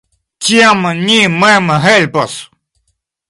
Tiam ni mem helpos!